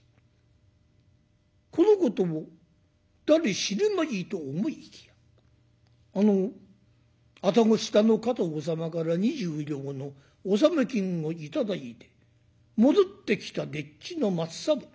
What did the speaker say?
このことを誰知るまいと思いきや愛宕下の加藤様から２０両の納め金を頂いて戻ってきた丁稚の松三郎。